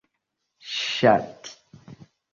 ŝati